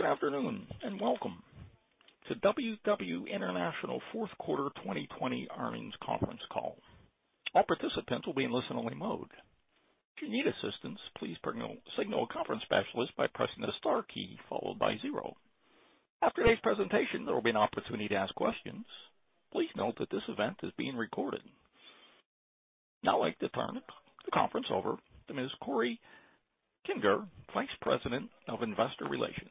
Good afternoon, and welcome to WW International Fourth Quarter 2020 Earnings Conference Call. Now I'd like to turn the conference over to Ms. Corey Kinger, Vice President of Investor Relations.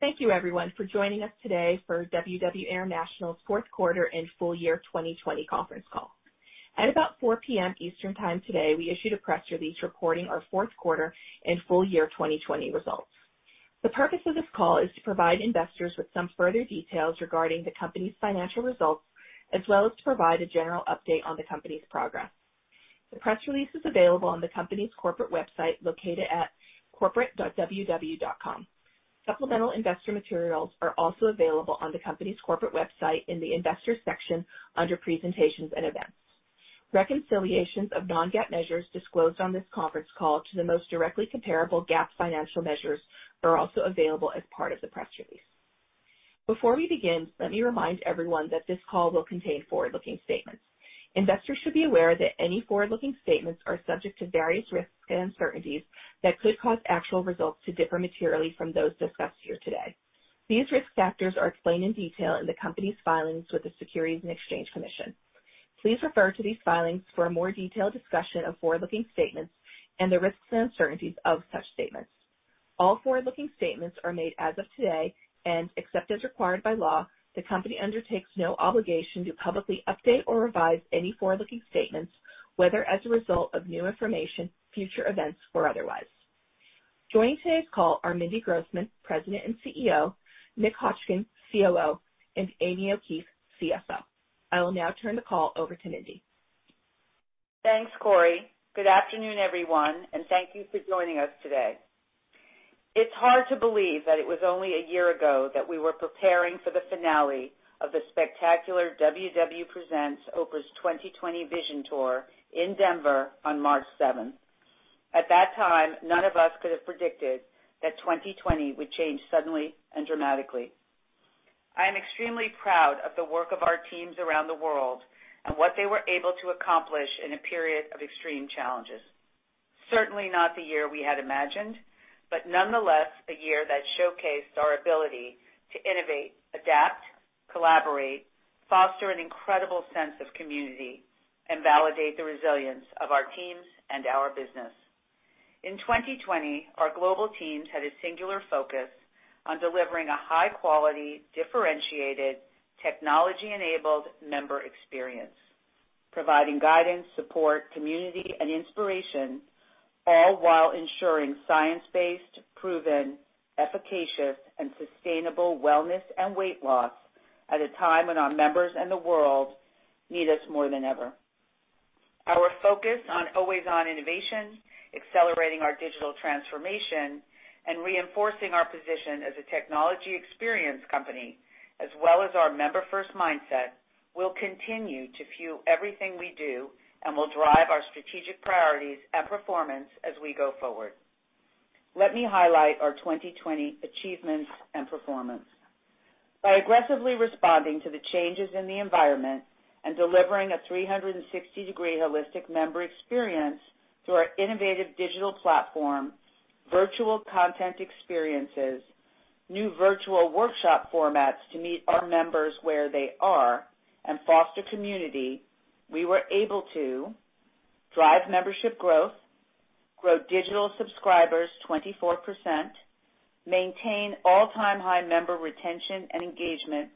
Thank you, everyone, for joining us today for WW International's fourth quarter and full-year 2020 conference call. At about 4:00 P.M. Eastern Time today, we issued a press release reporting our fourth quarter and full-year 2020 results. The purpose of this call is to provide investors with some further details regarding the company's financial results, as well as to provide a general update on the company's progress. The press release is available on the company's corporate website, located at corporate.ww.com. Supplemental investor materials are also available on the company's corporate website in the Investors section under Presentations and Events. Reconciliations of non-GAAP measures disclosed on this conference call to the most directly comparable GAAP financial measures are also available as part of the press release. Before we begin, let me remind everyone that this call will contain forward-looking statements. Investors should be aware that any forward-looking statements are subject to various risks and uncertainties that could cause actual results to differ materially from those discussed here today. These risk factors are explained in detail in the company's filings with the Securities and Exchange Commission. Please refer to these filings for a more detailed discussion of forward-looking statements and the risks and uncertainties of such statements. All forward-looking statements are made as of today, and except as required by law, the company undertakes no obligation to publicly update or revise any forward-looking statements, whether as a result of new information, future events, or otherwise. Joining today's call are Mindy Grossman, President and CEO, Nick Hotchkin, COO, and Amy O'Keefe, CFO. I will now turn the call over to Mindy. Thanks, Corey. Good afternoon, everyone, and thank you for joining us today. It's hard to believe that it was only a year ago that we were preparing for the finale of the spectacular WW presents Oprah's 2020 Vision Tour in Denver on March 7th. At that time, none of us could have predicted that 2020 would change suddenly and dramatically. I am extremely proud of the work of our teams around the world and what they were able to accomplish in a period of extreme challenges. Certainly not the year we had imagined, but nonetheless, a year that showcased our ability to innovate, adapt, collaborate, foster an incredible sense of community, and validate the resilience of our teams and our business. In 2020, our global teams had a singular focus on delivering a high-quality, differentiated, technology-enabled member experience, providing guidance, support, community, and inspiration, all while ensuring science-based, proven, efficacious, and sustainable wellness and weight loss at a time when our members and the world need us more than ever. Our focus on always-on innovation, accelerating our digital transformation, and reinforcing our position as a technology experience company, as well as our member-first mindset, will continue to fuel everything we do and will drive our strategic priorities and performance as we go forward. Let me highlight our 2020 achievements and performance. By aggressively responding to the changes in the environment and delivering a 360-degree holistic member experience through our innovative digital platform, virtual content experiences, new virtual workshop formats to meet our members where they are and foster community, we were able to drive membership growth, grow digital subscribers 24%, maintain all-time high member retention and engagement,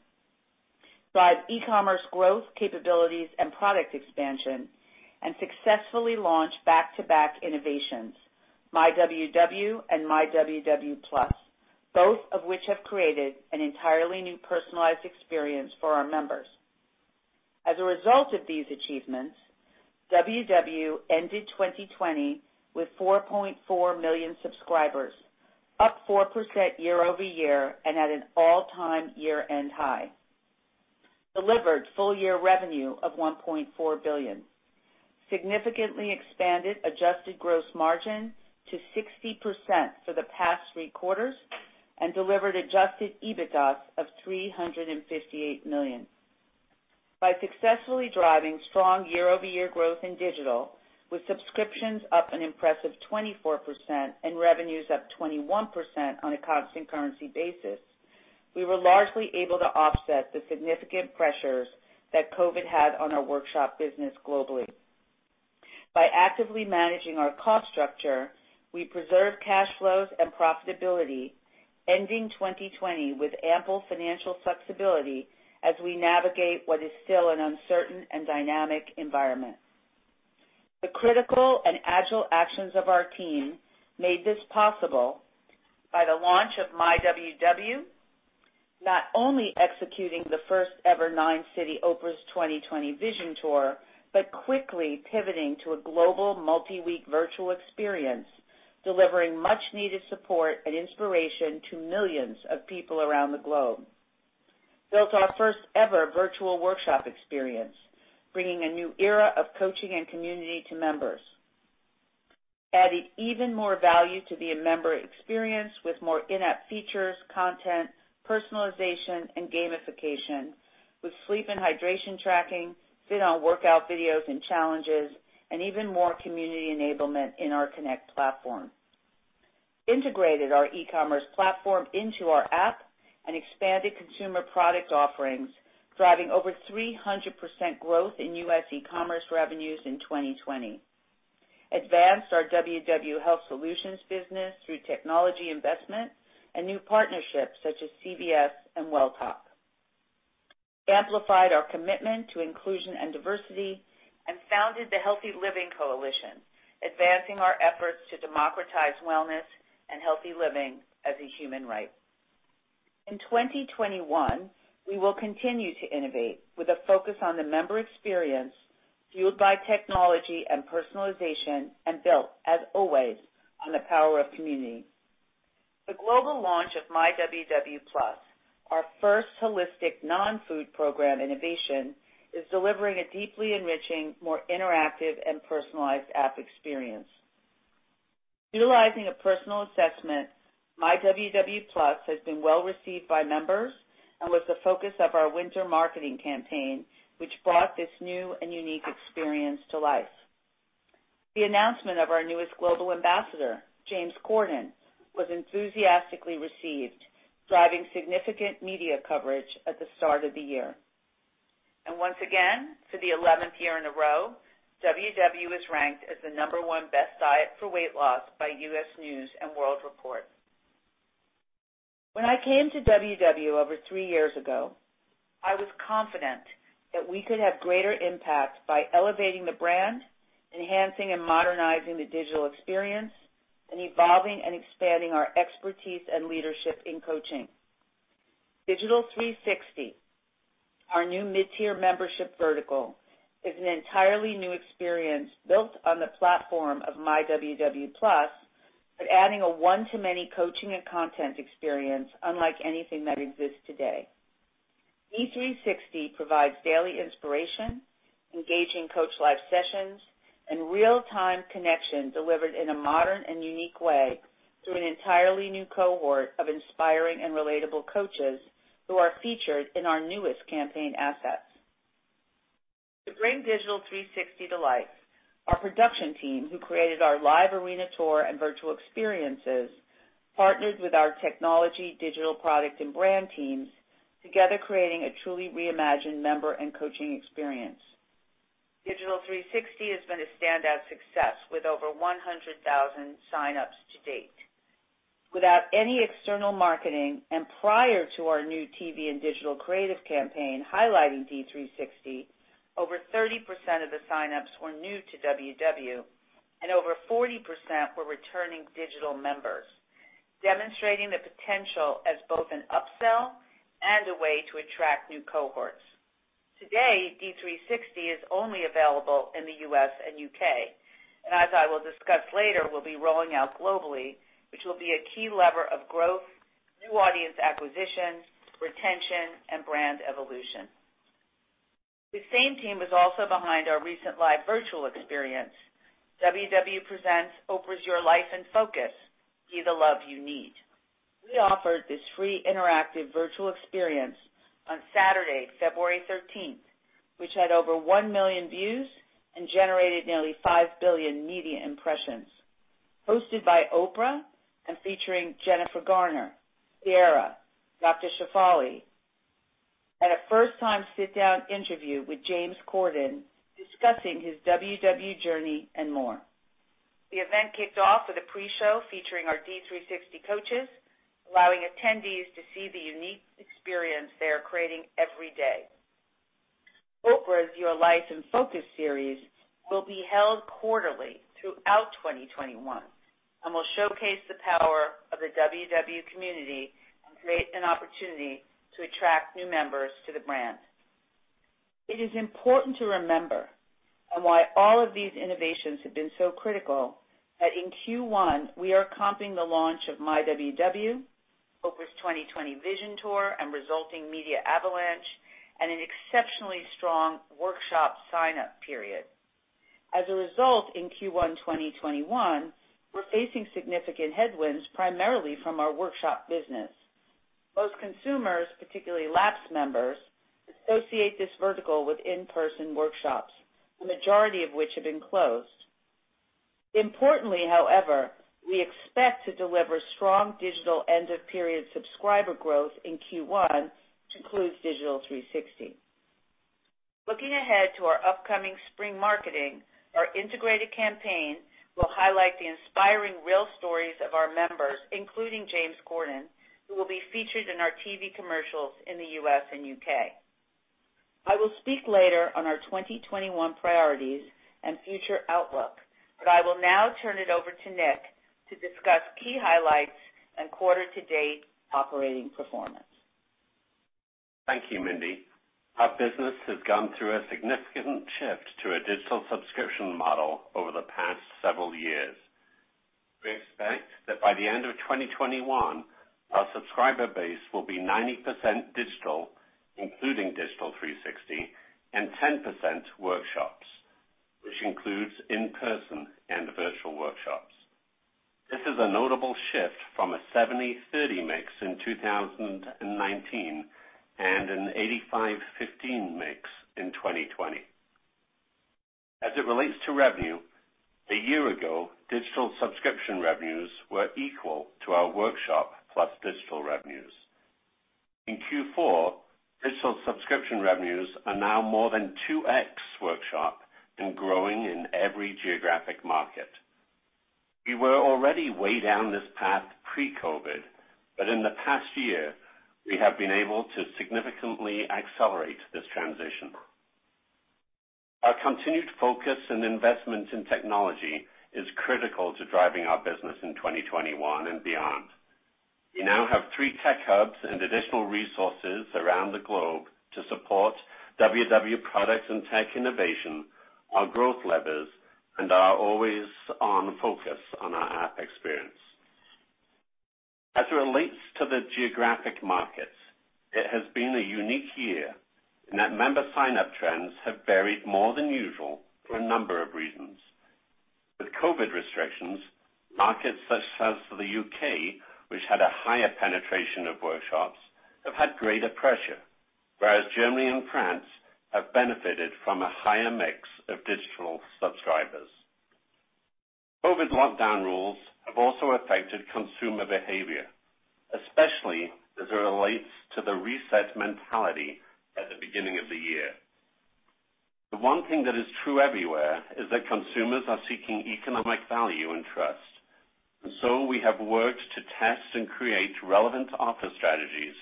drive e-commerce growth capabilities and product expansion, and successfully launch back-to-back innovations, myWW and myWW+, both of which have created an entirely new personalized experience for our members. As a result of these achievements, WW ended 2020 with 4.4 million subscribers, up 4% year-over-year and at an all-time year-end high, delivered full-year revenue of $1.4 billion, significantly expanded adjusted gross margin to 60% for the past three quarters and delivered adjusted EBITDA of $358 million. By successfully driving strong year-over-year growth in digital with subscriptions up an impressive 24% and revenues up 21% on a constant currency basis, we were largely able to offset the significant pressures that COVID had on our workshop business globally. By actively managing our cost structure, we preserved cash flows and profitability, ending 2020 with ample financial flexibility as we navigate what is still an uncertain and dynamic environment. The critical and agile actions of our team made this possible by the launch of myWW, not only executing the first ever nine-city Oprah's 2020 Vision Tour, but quickly pivoting to a global multi-week virtual experience, delivering much needed support and inspiration to millions of people around the globe. Built our first ever virtual workshop experience, bringing a new era of coaching and community to members. Added even more value to the member experience with more in-app features, content, personalization, and gamification, with sleep and hydration tracking, FitOn workout videos and challenges, and even more community enablement in our Connect platform. Integrated our e-commerce platform into our app and expanded consumer product offerings, driving over 300% growth in U.S. e-commerce revenues in 2020. Advanced our WW Health Solutions business through technology investment and new partnerships such as CVS and Welltok. Amplified our commitment to inclusion and diversity and founded the Healthy Living Coalition, advancing our efforts to democratize wellness and healthy living as a human right. In 2021, we will continue to innovate with a focus on the member experience, fueled by technology and personalization, and built, as always, on the power of community. The global launch of myWW+, our first holistic non-food program innovation, is delivering a deeply enriching, more interactive, and personalized app experience. Utilizing a personal assessment, myWW+ has been well received by members and was the focus of our winter marketing campaign, which brought this new and unique experience to life. The announcement of our newest global ambassador, James Corden, was enthusiastically received, driving significant media coverage at the start of the year. Once again, for the 11th year in a row, WW was ranked as the number one best diet for weight loss by U.S. News & World Report. When I came to WW over three years ago, I was confident that we could have greater impact by elevating the brand, enhancing and modernizing the digital experience, and evolving and expanding our expertise and leadership in coaching. Digital 360, our new mid-tier membership vertical, is an entirely new experience built on the platform of myWW+, but adding a one-to-many coaching and content experience unlike anything that exists today. D360 provides daily inspiration, engaging coach live sessions, and real-time connection delivered in a modern and unique way through an entirely new cohort of inspiring and relatable coaches who are featured in our newest campaign assets. To bring Digital 360 to life, our production team, who created our live arena tour and virtual experiences, partnered with our technology, digital product, and brand teams, together creating a truly reimagined member and coaching experience. Digital 360 has been a standout success, with over 100,000 signups to date. Without any external marketing and prior to our new TV and digital creative campaign highlighting D360, over 30% of the signups were new to WW, and over 40% were returning digital members, demonstrating the potential as both an upsell and a way to attract new cohorts. Today, D360 is only available in the U.S. and U.K., and as I will discuss later, we'll be rolling out globally, which will be a key lever of growth, new audience acquisition, retention, and brand evolution. The same team is also behind our recent live virtual experience, WW presents Oprah's Your Life in Focus, Be the Love You Need. We offered this free interactive virtual experience on Saturday, February 13th, which had over 1 million views and generated nearly 5 billion media impressions. Hosted by Oprah and featuring Jennifer Garner, Ciara, Dr. Shefali, and a first-time sit-down interview with James Corden discussing his WW journey and more. The event kicked off with a pre-show featuring our D360 coaches, allowing attendees to see the unique experience they are creating every day. Oprah's Your Life in Focus series will be held quarterly throughout 2021 and will showcase the power of the WW community and create an opportunity to attract new members to the brand. It is important to remember, and why all of these innovations have been so critical, that in Q1, we are comping the launch of myWW, Oprah's 2020 Vision Tour and resulting media avalanche, and an exceptionally strong workshop signup period. As a result, in Q1 2021, we're facing significant headwinds, primarily from our workshop business. Most consumers, particularly lapsed members, associate this vertical with in-person workshops, the majority of which have been closed. Importantly, however, we expect to deliver strong digital end-of-period subscriber growth in Q1, which includes Digital 360. Looking ahead to our upcoming spring marketing, our integrated campaign will highlight the inspiring real stories of our members, including James Corden, who will be featured in our TV commercials in the U.S. and U.K. I will speak later on our 2021 priorities and future outlook, but I will now turn it over to Nick to discuss key highlights and quarter-to-date operating performance. Thank you, Mindy. Our business has gone through a significant shift to a digital subscription model over the past several years. We expect that by the end of 2021, our subscriber base will be 90% digital, including Digital 360, and 10% workshops, which includes in-person and virtual workshops. This is a notable shift from a 70/30 mix in 2019 and an 85/15 mix in 2020. As it relates to revenue, a year ago, digital subscription revenues were equal to our workshop plus digital revenues. In Q4, digital subscription revenues are now more than 2x workshop and growing in every geographic market. We were already way down this path pre-COVID, but in the past year, we have been able to significantly accelerate this transition. Our continued focus and investment in technology is critical to driving our business in 2021 and beyond. We now have three tech hubs and additional resources around the globe to support WW product and tech innovation, our growth levers, and our always-on focus on our app experience. As it relates to the geographic markets, it has been a unique year in that member sign-up trends have varied more than usual for a number of reasons. With COVID restrictions, markets such as the U.K., which had a higher penetration of workshops, have had greater pressure, whereas Germany and France have benefited from a higher mix of digital subscribers. COVID lockdown rules have also affected consumer behavior, especially as it relates to the reset mentality at the beginning of the year. The one thing that is true everywhere is that consumers are seeking economic value and trust. We have worked to test and create relevant offer strategies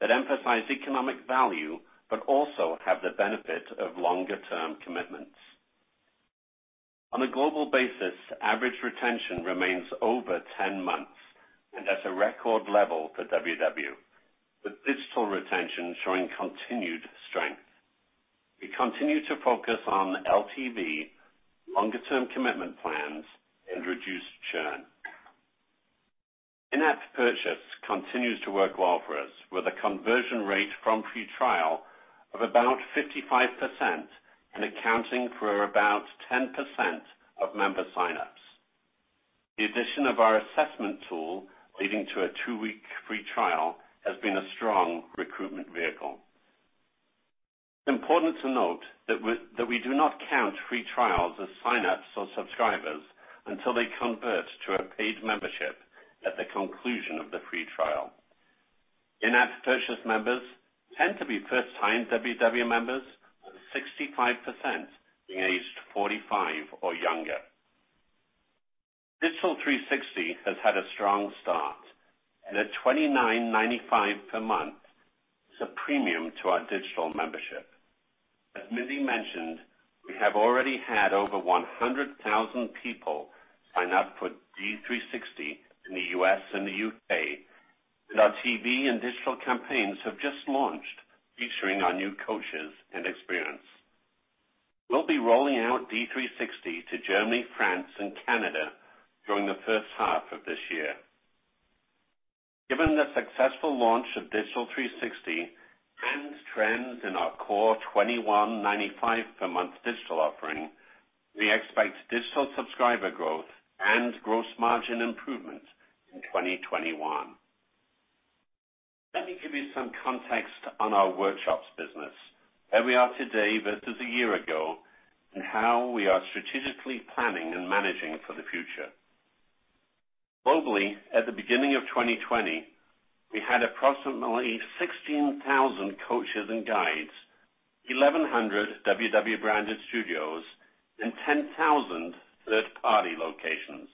that emphasize economic value, but also have the benefit of longer-term commitments. On a global basis, average retention remains over 10 months and at a record level for WW with digital retention showing continued strength. We continue to focus on LTV, longer-term commitment plans, and reduced churn. In-app purchase continues to work well for us with a conversion rate from free trial of about 55% and accounting for about 10% of member sign-ups. The addition of our assessment tool, leading to a two-week free trial, has been a strong recruitment vehicle. Important to note that we do not count free trials as sign-ups or subscribers until they convert to a paid membership at the conclusion of the free trial. In-app purchase members tend to be first-time WW members, with 65% being aged 45 or younger. Digital 360 has had a strong start. At $29.95 per month, it's a premium to our digital membership. As Mindy mentioned, we have already had over 100,000 people sign up for D360 in the U.S. and the U.K. Our TV and digital campaigns have just launched, featuring our new coaches and experience. We'll be rolling out D360 to Germany, France, and Canada during the first half of this year. Given the successful launch of Digital 360 and trends in our core $21.95 per month digital offering, we expect digital subscriber growth and gross margin improvement in 2021. Let me give you some context on our workshops business, where we are today versus a year ago, how we are strategically planning and managing for the future. Globally, at the beginning of 2020, we had approximately 16,000 coaches and guides, 1,100 WW-branded studios, and 10,000 third-party locations.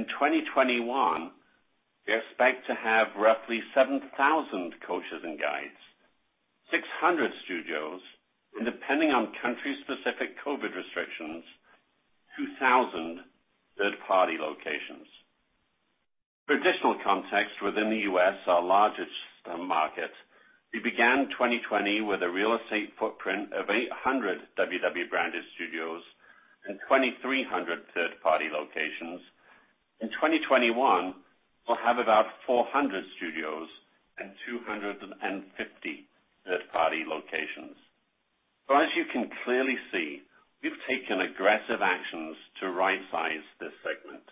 In 2021, we expect to have roughly 7,000 coaches and guides, 600 studios, and depending on country-specific COVID restrictions, 2,000 third-party locations. For additional context, within the U.S., our largest market, we began 2020 with a real estate footprint of 800 WW-branded studios and 2,300 third-party locations. In 2021, we'll have about 400 studios and 250 third-party locations. As you can clearly see, we've taken aggressive actions to rightsize this segment.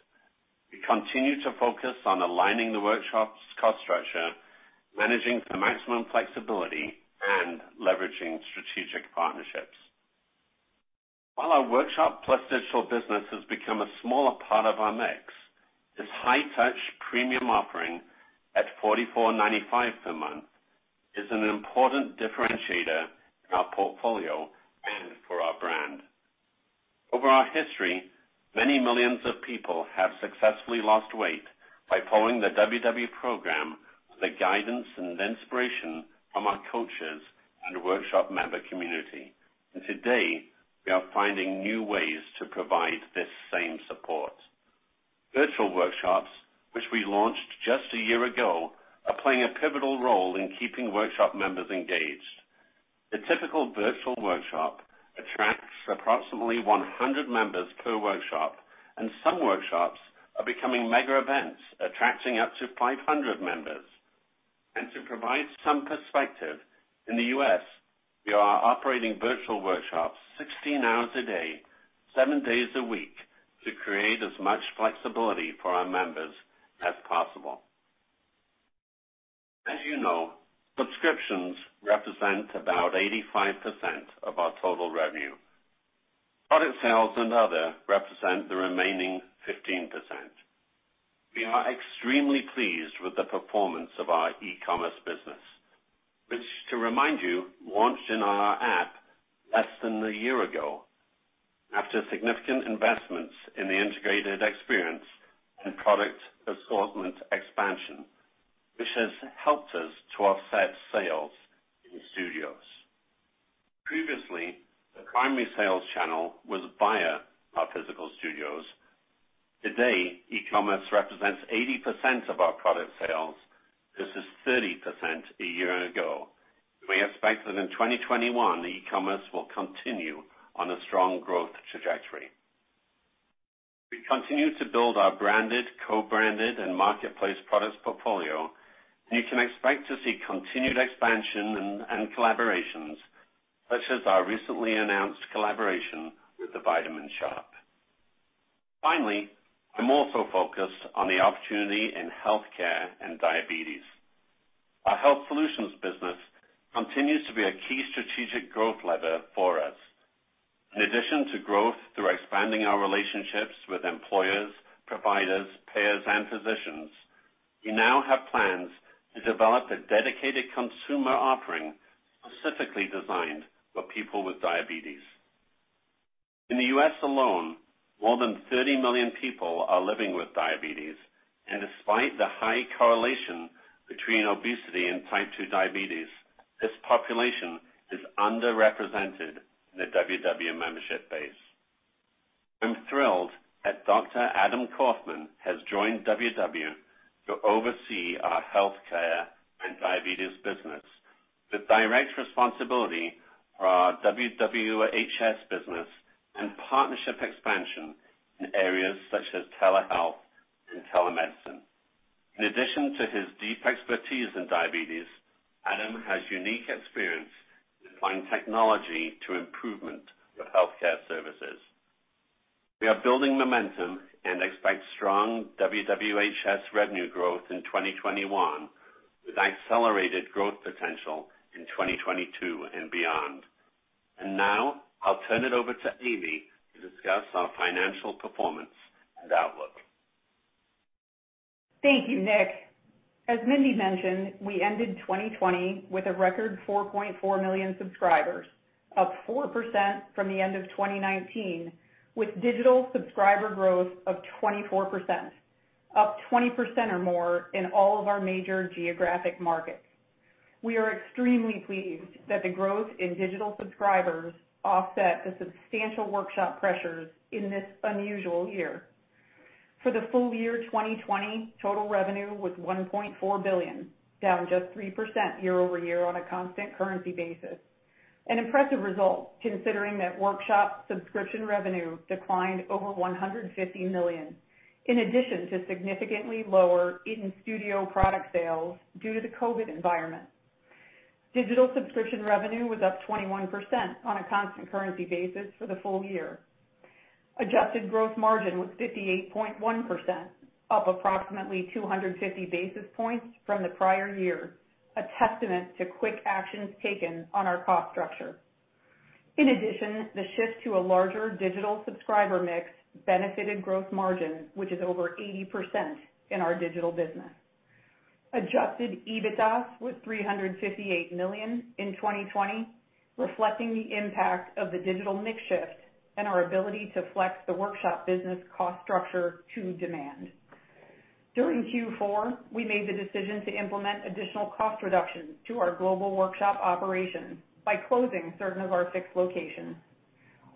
We continue to focus on aligning the workshop's cost structure, managing for maximum flexibility, and leveraging strategic partnerships. While our workshop plus digital business has become a smaller part of our mix, this high-touch premium offering at $44.95 per month is an important differentiator in our portfolio and for our brand. Over our history, many millions of people have successfully lost weight by following the WW program with the guidance and inspiration from our coaches and workshop member community. Today, we are finding new ways to provide this same support. Virtual workshops, which we launched just a year ago, are playing a pivotal role in keeping workshop members engaged. The typical virtual workshop attracts approximately 100 members per workshop. Some workshops are becoming mega events, attracting up to 500 members. To provide some perspective, in the U.S., we are operating virtual workshops 16 hours a day, seven days a week, to create as much flexibility for our members as possible. As you know, subscriptions represent about 85% of our total revenue. Product sales and other represent the remaining 15%. We are extremely pleased with the performance of our e-commerce business, which, to remind you, launched in our app less than a year ago, after significant investments in the integrated experience and product assortment expansion, which has helped us to offset sales in studios. Previously, the primary sales channel was via our physical studios. Today, e-commerce represents 80% of our product sales. This is 30% a year ago. We expect that in 2021, e-commerce will continue on a strong growth trajectory. We continue to build our branded, co-branded, and marketplace products portfolio. You can expect to see continued expansion and collaborations, such as our recently announced collaboration with The Vitamin Shoppe. Finally, I'm also focused on the opportunity in healthcare and diabetes. Our Health Solutions business continues to be a key strategic growth lever for us. In addition to growth through expanding our relationships with employers, providers, payers, and physicians, we now have plans to develop a dedicated consumer offering specifically designed for people with diabetes. In the U.S. alone, more than 30 million people are living with diabetes, and despite the high correlation between obesity and Type 2 diabetes, this population is underrepresented in the WW membership base. I'm thrilled that Dr. Adam Kaufman has joined WW to oversee our healthcare and diabetes business, with direct responsibility for our WW HS business and partnership expansion in areas such as telehealth and telemedicine. In addition to his deep expertise in diabetes, Adam has unique experience in applying technology to improvement of healthcare services. We are building momentum and expect strong WW HS revenue growth in 2021, with accelerated growth potential in 2022 and beyond. Now I'll turn it over to Amy to discuss our financial performance and outlook. Thank you, Nick. As Mindy mentioned, we ended 2020 with a record 4.4 million subscribers, up 4% from the end of 2019, with digital subscriber growth of 24%, up 20% or more in all of our major geographic markets. We are extremely pleased that the growth in digital subscribers offset the substantial workshop pressures in this unusual year. For the full-year 2020, total revenue was $1.4 billion, down just 3% year-over-year on a constant currency basis. An impressive result, considering that workshop subscription revenue declined over $150 million, in addition to significantly lower in-studio product sales due to the COVID environment. Digital subscription revenue was up 21% on a constant currency basis for the full-year. Adjusted gross margin was 58.1%, up approximately 250 basis points from the prior year, a testament to quick actions taken on our cost structure. In addition, the shift to a larger digital subscriber mix benefited gross margin, which is over 80% in our digital business. Adjusted EBITDA was $358 million in 2020, reflecting the impact of the digital mix shift and our ability to flex the workshop business cost structure to demand. During Q4, we made the decision to implement additional cost reductions to our global workshop operations by closing certain of our fixed locations.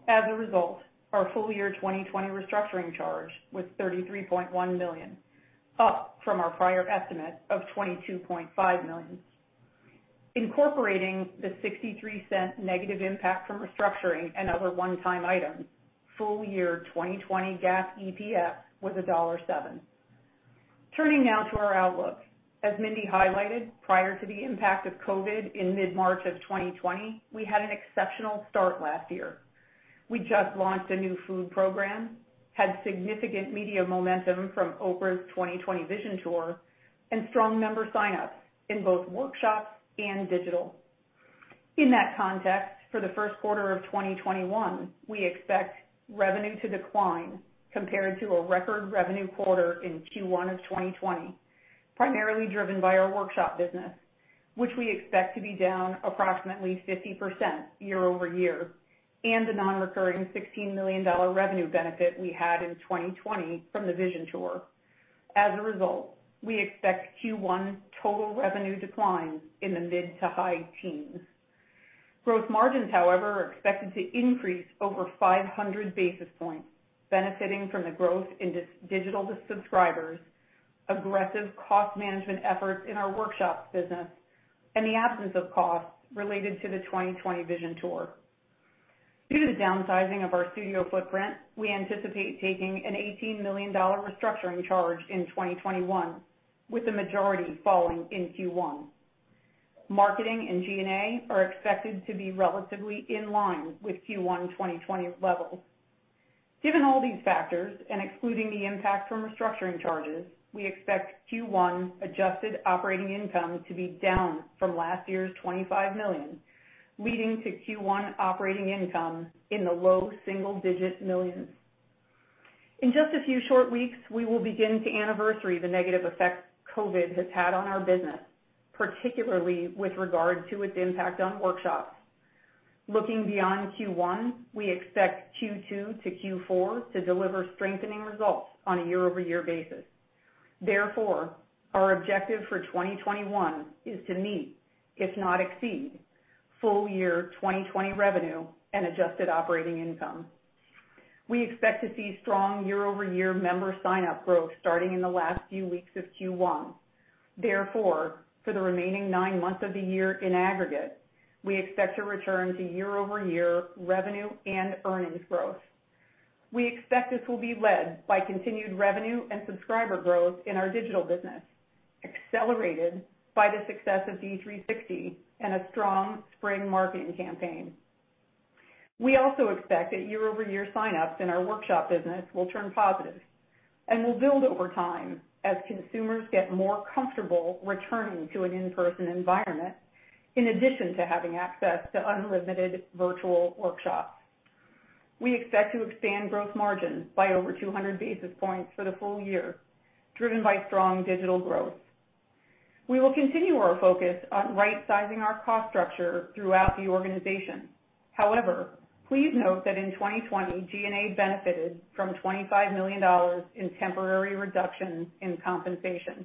As a result, our full-year 2020 restructuring charge was $33.1 million, up from our prior estimate of $22.5 million. Incorporating the $0.63 negative impact from restructuring and other one-time items, full-year 2020 GAAP EPS was $1.07. Turning now to our outlook. As Mindy highlighted, prior to the impact of COVID in mid-March of 2020, we had an exceptional start last year. We just launched a new food program, had significant media momentum from Oprah's 2020 Vision Tour, strong member sign-ups in both workshops and digital. In that context, for the first quarter of 2021, we expect revenue to decline compared to a record revenue quarter in Q1 of 2020, primarily driven by our workshop business, which we expect to be down approximately 50% year-over-year, and the non-recurring $16 million revenue benefit we had in 2020 from the Vision Tour. As a result, we expect Q1 total revenue decline in the mid-to-high teens. Gross margins, however, are expected to increase over 500 basis points, benefiting from the growth in digital subscribers. Aggressive cost management efforts in our workshops business, and the absence of costs related to the 2020 Vision Tour. Due to the downsizing of our studio footprint, we anticipate taking an $18 million restructuring charge in 2021, with the majority falling in Q1. Marketing and G&A are expected to be relatively in line with Q1 2020 levels. Given all these factors, and excluding the impact from restructuring charges, we expect Q1 adjusted operating income to be down from last year's $25 million, leading to Q1 operating income in the low single-digit millions. In just a few short weeks, we will begin to anniversary the negative effects COVID has had on our business, particularly with regard to its impact on workshops. Looking beyond Q1, we expect Q2 to Q4 to deliver strengthening results on a year-over-year basis. Our objective for 2021 is to meet, if not exceed, full-year 2020 revenue and adjusted operating income. We expect to see strong year-over-year member sign-up growth starting in the last few weeks of Q1. For the remaining nine months of the year in aggregate, we expect to return to year-over-year revenue and earnings growth. We expect this will be led by continued revenue and subscriber growth in our digital business, accelerated by the success of D360 and a strong spring marketing campaign. We also expect that year-over-year sign-ups in our workshop business will turn positive and will build over time as consumers get more comfortable returning to an in-person environment, in addition to having access to unlimited virtual workshops. We expect to expand gross margins by over 200 basis points for the full-year, driven by strong digital growth. We will continue our focus on right-sizing our cost structure throughout the organization. However, please note that in 2020, G&A benefited from $25 million in temporary reductions in compensation.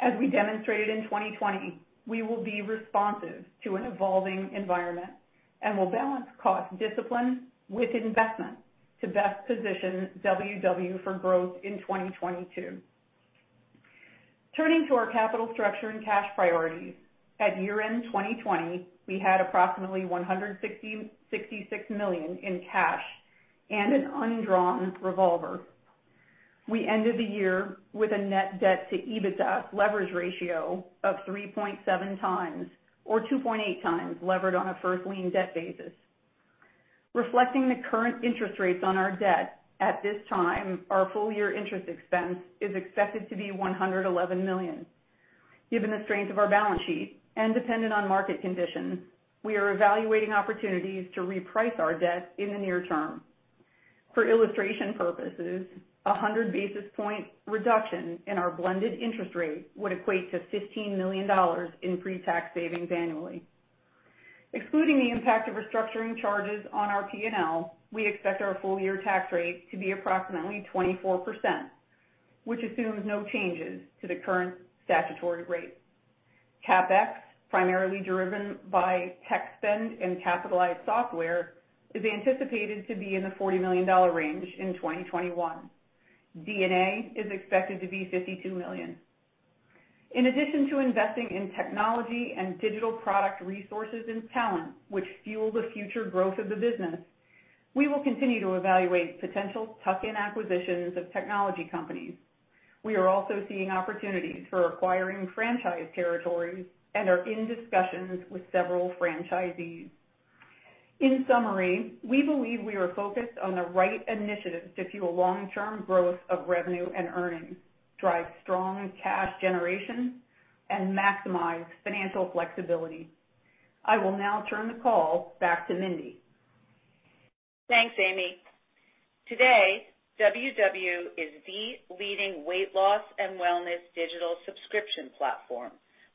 As we demonstrated in 2020, we will be responsive to an evolving environment and will balance cost discipline with investment to best position WW for growth in 2022. Turning to our capital structure and cash priorities, at year-end 2020, we had approximately $166 million in cash and an undrawn revolver. We ended the year with a net debt to EBITDA leverage ratio of 3.7x or 2.8x levered on a first lien debt basis. Reflecting the current interest rates on our debt at this time, our full-year interest expense is expected to be $111 million. Given the strength of our balance sheet and dependent on market conditions, we are evaluating opportunities to reprice our debt in the near term. For illustration purposes, a 100 basis point reduction in our blended interest rate would equate to $15 million in pre-tax savings annually. Excluding the impact of restructuring charges on our P&L, we expect our full-year tax rate to be approximately 24%, which assumes no changes to the current statutory rate. CapEx, primarily driven by tech spend and capitalized software, is anticipated to be in the $40 million range in 2021. D&A is expected to be $52 million. In addition to investing in technology and digital product resources and talent, which fuel the future growth of the business, we will continue to evaluate potential tuck-in acquisitions of technology companies. We are also seeing opportunities for acquiring franchise territories and are in discussions with several franchisees. In summary, we believe we are focused on the right initiatives to fuel long-term growth of revenue and earnings, drive strong cash generation, and maximize financial flexibility. I will now turn the call back to Mindy. Thanks, Amy. Today, WW is the leading weight loss and wellness digital subscription platform,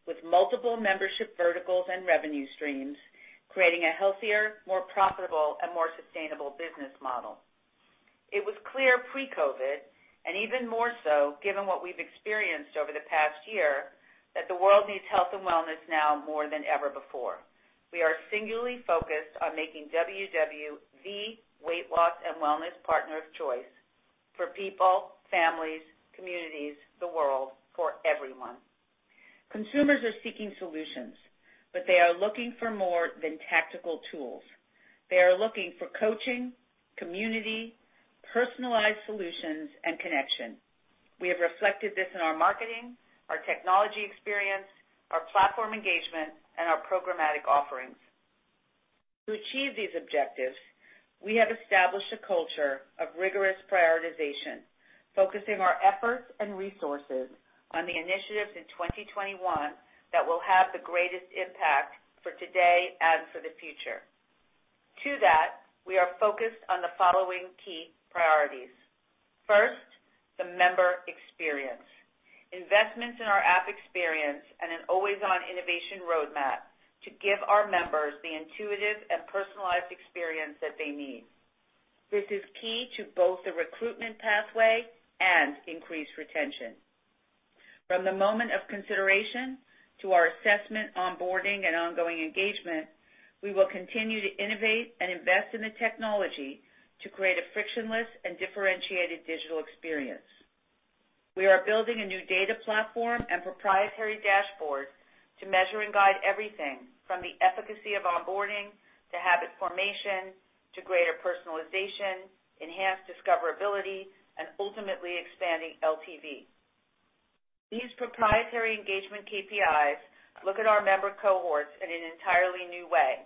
with multiple membership verticals and revenue streams, creating a healthier, more profitable, and more sustainable business model. It was clear pre-COVID, and even more so given what we've experienced over the past year, that the world needs health and wellness now more than ever before. We are singularly focused on making WW the weight loss and wellness partner of choice for people, families, communities, the world, for everyone. Consumers are seeking solutions, they are looking for more than tactical tools. They are looking for coaching, community, personalized solutions, and connection. We have reflected this in our marketing, our technology experience, our platform engagement, and our programmatic offerings. To achieve these objectives, we have established a culture of rigorous prioritization, focusing our efforts and resources on the initiatives in 2021 that will have the greatest impact for today and for the future. To that, we are focused on the following key priorities. First, the member experience. Investments in our app experience and an always-on innovation roadmap to give our members the intuitive and personalized experience that they need. This is key to both the recruitment pathway and increased retention. From the moment of consideration to our assessment, onboarding, and ongoing engagement, we will continue to innovate and invest in the technology to create a frictionless and differentiated digital experience. We are building a new data platform and proprietary dashboard to measure and guide everything from the efficacy of onboarding to habit formation, to greater personalization, enhanced discoverability, and ultimately expanding LTV. These proprietary engagement KPIs look at our member cohorts in an entirely new way.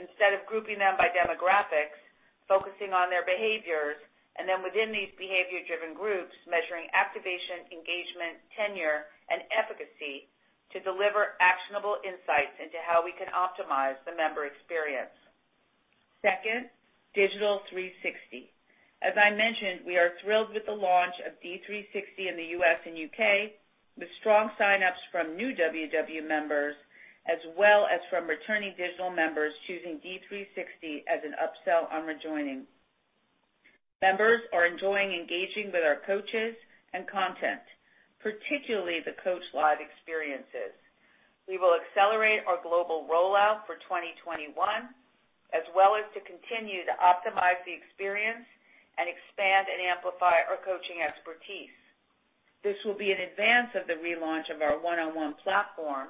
Instead of grouping them by demographics, focusing on their behaviors, and then within these behavior-driven groups, measuring activation, engagement, tenure, and efficacy to deliver actionable insights into how we can optimize the member experience. Second, Digital 360. As I mentioned, we are thrilled with the launch of D360 in the U.S. and U.K., with strong sign-ups from new WW members, as well as from returning digital members choosing D360 as an upsell on rejoining. Members are enjoying engaging with our coaches and content, particularly the coach live experiences. We will accelerate our global rollout for 2021, as well as to continue to optimize the experience and expand and amplify our coaching expertise. This will be in advance of the relaunch of our one-on-one platform.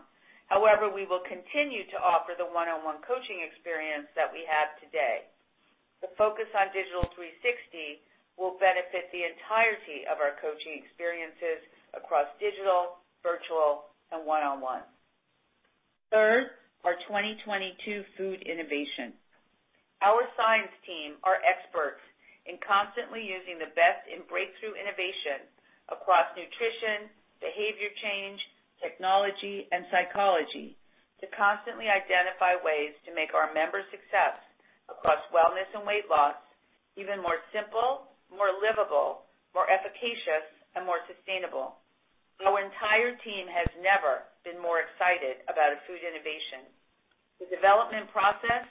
However, we will continue to offer the one-on-one coaching experience that we have today. The focus on Digital 360 will benefit the entirety of our coaching experiences across digital, virtual, and one-on-one. Third, our 2022 food innovation. Our science team are experts in constantly using the best in breakthrough innovation across nutrition, behavior change, technology, and psychology to constantly identify ways to make our members' success across wellness and weight loss even more simple, more livable, more efficacious, and more sustainable. Our entire team has never been more excited about a food innovation. The development process,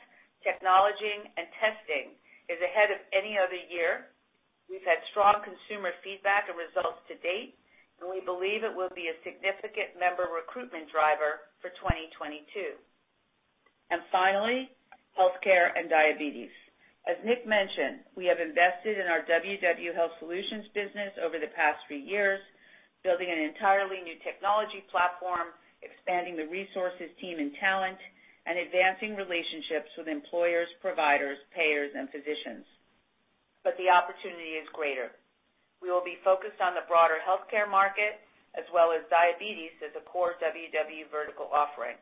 technology, and testing is ahead of any other year. We've had strong consumer feedback and results to date, and we believe it will be a significant member recruitment driver for 2022. Finally, healthcare and diabetes. As Nick mentioned, we have invested in our WW Health Solutions business over the past few years, building an entirely new technology platform, expanding the resources team and talent, and advancing relationships with employers, providers, payers, and physicians. The opportunity is greater. We will be focused on the broader healthcare market as well as diabetes as a core WW vertical offering.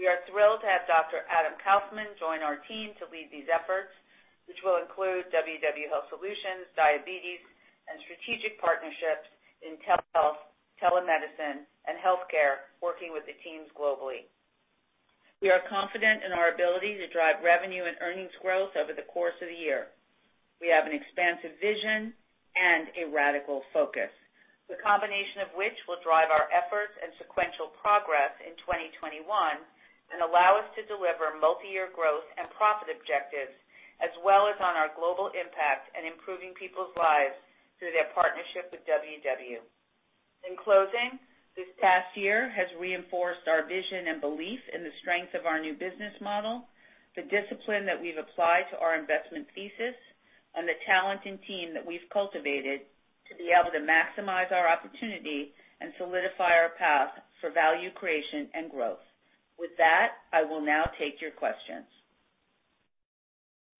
We are thrilled to have Dr. Adam Kaufman join our team to lead these efforts, which will include WW Health Solutions, diabetes, and strategic partnerships in telehealth, telemedicine, and healthcare, working with the teams globally. We are confident in our ability to drive revenue and earnings growth over the course of the year. We have an expansive vision and a radical focus, the combination of which will drive our efforts and sequential progress in 2021, and allow us to deliver multi-year growth and profit objectives, as well as on our global impact in improving people's lives through their partnership with WW. In closing, this past year has reinforced our vision and belief in the strength of our new business model, the discipline that we've applied to our investment thesis, and the talented team that we've cultivated to be able to maximize our opportunity and solidify our path for value creation and growth. With that, I will now take your questions.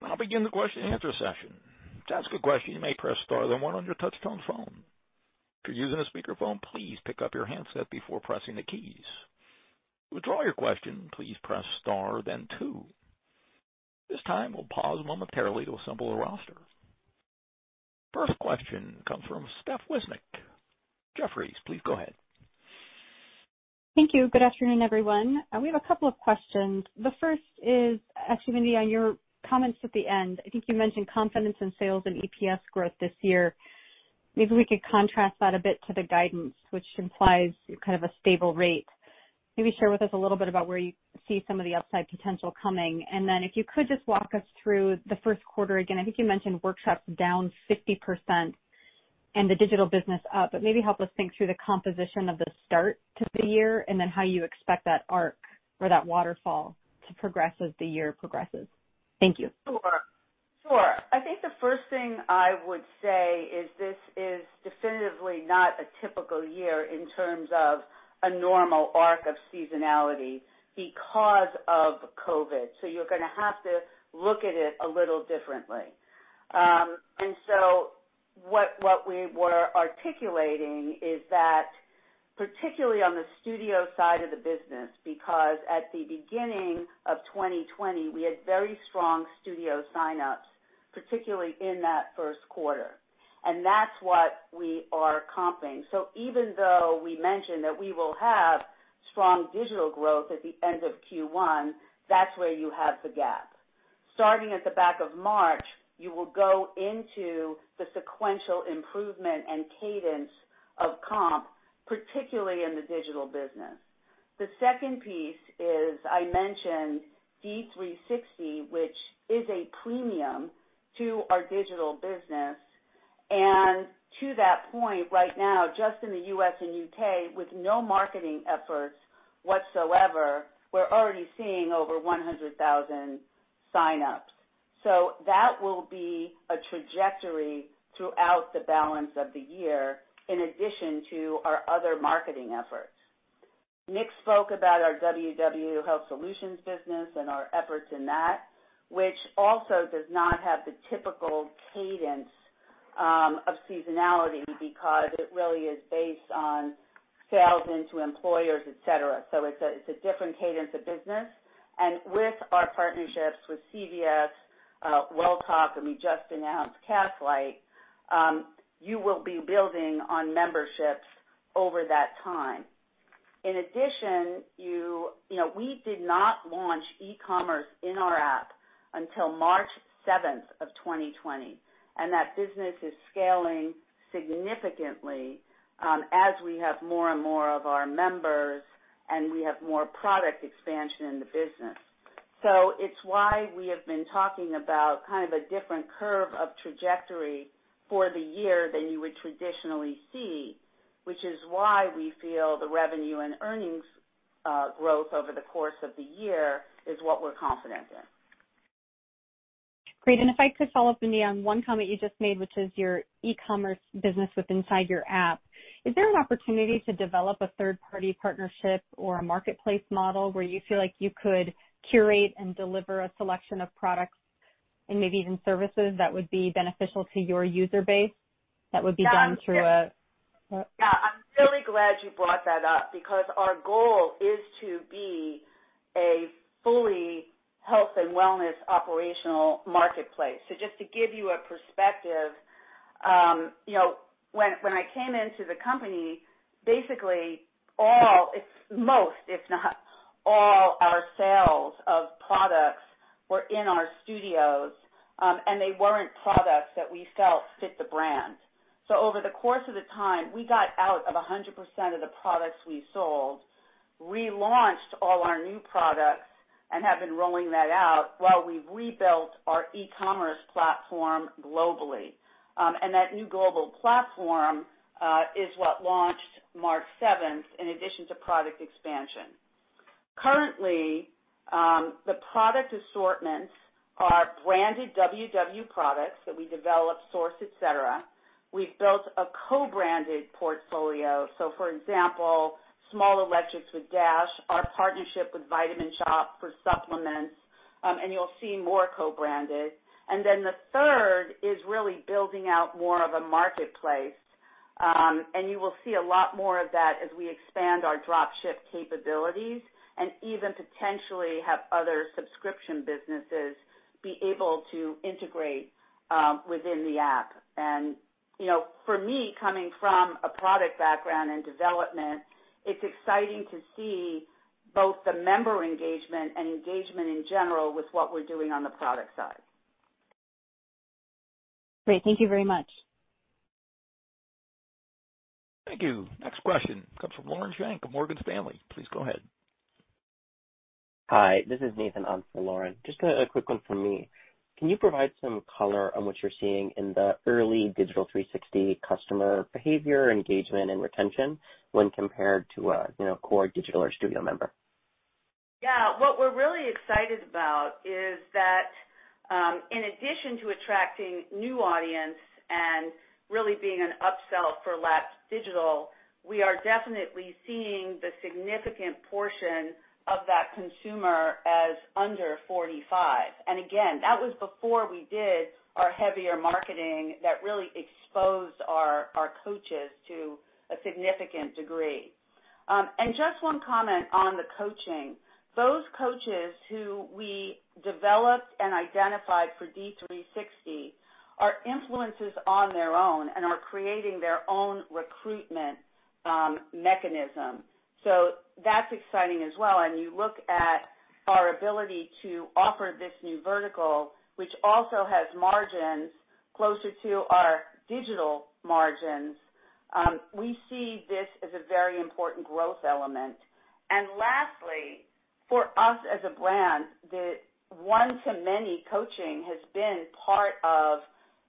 I'll begin the question-and-answer session. To ask a question, you may press star then one on your touch-tone phone. If you're using a speakerphone, please pick up your handset before pressing the keys. To withdraw your question, please press star then two. This time, we'll pause momentarily to assemble a roster. First question comes from Steph Wissink, Jefferies. Please go ahead. Thank you. Good afternoon, everyone. We have a couple of questions. The first is asking Mindy on your comments at the end, I think you mentioned confidence in sales and EPS growth this year. We could contrast that a bit to the guidance, which implies kind of a stable rate. Share with us a little bit about where you see some of the upside potential coming. If you could just walk us through the first quarter again. I think you mentioned workshops down 50% and the digital business up, but maybe help us think through the composition of the start to the year and then how you expect that arc or that waterfall to progress as the year progresses. Thank you. Sure. I think the first thing I would say is this is definitively not a typical year in terms of a normal arc of seasonality because of COVID. You're going to have to look at it a little differently. What we were articulating is that, particularly on the studio side of the business, because at the beginning of 2020, we had very strong studio sign-ups, particularly in that first quarter. That's what we are comping. Even though we mentioned that we will have strong digital growth at the end of Q1, that's where you have the gap. Starting at the back of March, you will go into the sequential improvement and cadence of comp, particularly in the digital business. The second piece is, I mentioned D360, which is a premium to our digital business. To that point, right now, just in the U.S. and U.K., with no marketing efforts whatsoever, we're already seeing over 100,000 sign-ups. That will be a trajectory throughout the balance of the year, in addition to our other marketing efforts. Nick spoke about our WW Health Solutions business and our efforts in that, which also does not have the typical cadence of seasonality, because it really is based on sales into employers, et cetera. It's a different cadence of business. With our partnerships with CVS, Welltok, and we just announced Castlight, you will be building on memberships over that time. In addition, we did not launch e-commerce in our app until March 7th of 2020. That business is scaling significantly as we have more and more of our members, and we have more product expansion in the business. It's why we have been talking about kind of a different curve of trajectory for the year than you would traditionally see, which is why we feel the revenue and earnings growth over the course of the year is what we're confident in. Great. If I could follow up, Mindy, on one comment you just made, which is your e-commerce business with inside your app. Is there an opportunity to develop a third-party partnership or a marketplace model where you feel like you could curate and deliver a selection of products and maybe even services that would be beneficial to your user base? Yeah. I'm really glad you brought that up, because our goal is to be a fully health and wellness operational marketplace. Just to give you a perspective, when I came into the company, basically, most, if not all our sales of products were in our studios, and they weren't products that we felt fit the brand. Over the course of the time, we got out of 100% of the products we sold, relaunched all our new products, and have been rolling that out while we've rebuilt our e-commerce platform globally. That new global platform is what launched March 7th in addition to product expansion. Currently, the product assortments are branded WW products that we develop, source, et cetera. We've built a co-branded portfolio. For example, small electrics with Dash, our partnership with Vitamin Shoppe for supplements, and you'll see more co-branded. Then the third is really building out more of a marketplace, and you will see a lot more of that as we expand our drop ship capabilities and even potentially have other subscription businesses be able to integrate within the app. For me, coming from a product background and development, it's exciting to see both the member engagement and engagement in general with what we're doing on the product side. Great. Thank you very much. Thank you. Next question comes from Lauren Schenk of Morgan Stanley. Please go ahead. Hi, this is Nathan on for Lauren. Just a quick one from me. Can you provide some color on what you're seeing in the early Digital 360 customer behavior, engagement, and retention when compared to a core digital or studio member? What we're really excited about is that, in addition to attracting new audience and really being an upsell for lapsed digital, we are definitely seeing the significant portion of that consumer as under 45. Again, that was before we did our heavier marketing that really exposed our coaches to a significant degree. Just one comment on the coaching. Those coaches who we developed and identified for D360 are influencers on their own and are creating their own recruitment mechanism. That's exciting as well. You look at our ability to offer this new vertical, which also has margins closer to our digital margins. We see this as a very important growth element. lastly, for us as a brand, the one to many coaching has been part of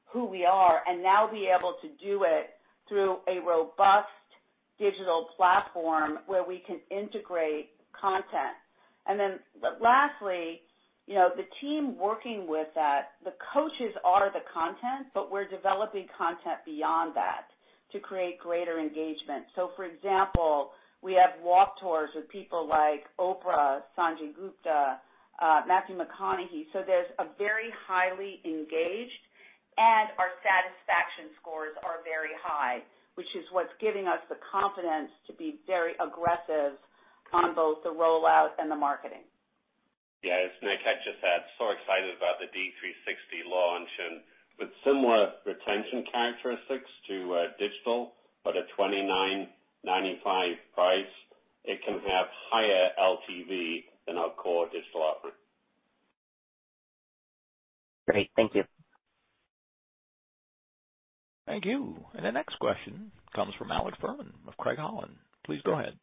who we are, and now be able to do it through a robust digital platform where we can integrate content. lastly, the team working with that, the coaches are the content, but we're developing content beyond that to create greater engagement. For example, we have walk tours with people like Oprah, Sanjay Gupta, Matthew McConaughey. There's a very highly engaged, and our satisfaction scores are very high, which is what's giving us the confidence to be very aggressive on both the rollout and the marketing. Yeah. It's Nick. I just add, so excited about the D360 launch and with similar retention characteristics to digital at a $29.95 price, it can have higher LTV than our core digital offering. Great. Thank you. Thank you. The next question comes from Alex Fuhrman, of Craig-Hallum. Please go ahead.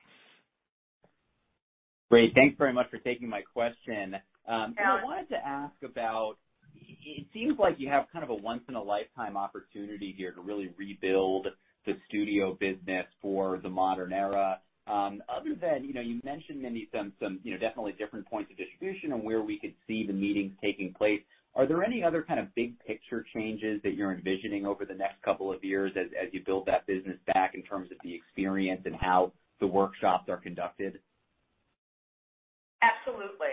Great. Thanks very much for taking my question. Sure. Mindy, I wanted to ask about, it seems like you have a once in a lifetime opportunity here to really rebuild the studio business for the modern era. Other than, you mentioned, Mindy, some definitely different points of distribution and where we could see the meetings taking place, are there any other kind of big picture changes that you're envisioning over the next couple of years as you build that business back in terms of the experience and how the workshops are conducted? Absolutely.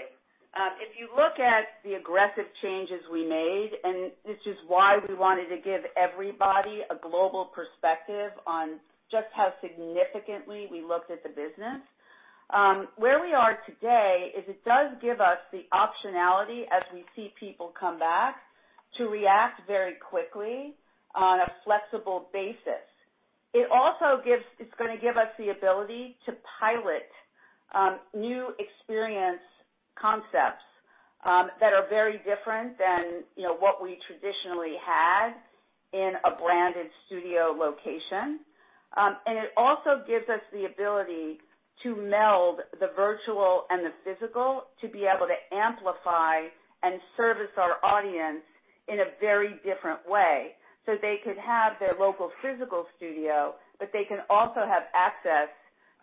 If you look at the aggressive changes we made, this is why we wanted to give everybody a global perspective on just how significantly we looked at the business. Where we are today is it does give us the optionality as we see people come back, to react very quickly on a flexible basis. It also is going to give us the ability to pilot new experience concepts that are very different than what we traditionally had in a branded studio location. It also gives us the ability to meld the virtual and the physical to be able to amplify and service our audience in a very different way. They could have their local physical studio, but they can also have access